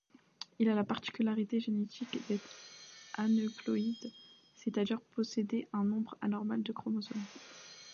Il a la particularité génétique d'être aneuploïde, c'est-à-dire posséder un nombre anormal de chromosomes.